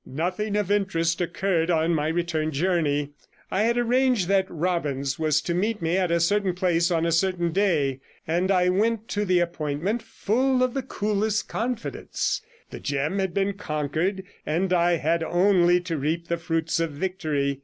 'Nothing of interest occurred on my return journey. I had arranged that Robbins was to meet me at a certain place on a certain day, and I went to the appointment full of the coolest confidence; the gem had been conquered, and I had only to reap the fruits of victory.